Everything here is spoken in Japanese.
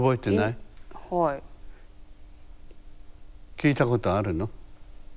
聞いたことあるの？